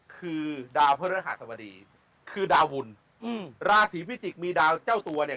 คือดาวพระฤหัสบดีคือดาวบุญอืมราศีพิจิกษ์มีดาวเจ้าตัวเนี่ย